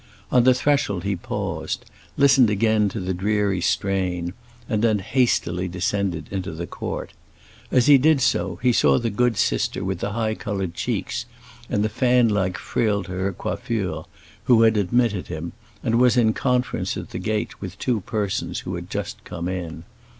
On the threshold he paused, listened again to the dreary strain, and then hastily descended into the court. As he did so he saw the good sister with the high colored cheeks and the fanlike frill to her coiffure, who had admitted him, was in conference at the gate with two persons who had just come in.